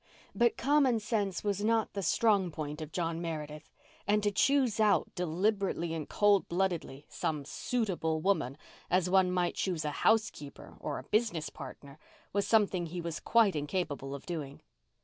But common sense was not the strong point of John Meredith, and to choose out, deliberately and cold bloodedly, some "suitable" woman, as one might choose a housekeeper or a business partner, was something he was quite incapable of doing.